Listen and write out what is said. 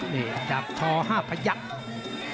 นี่จากชอห้าพยักษ์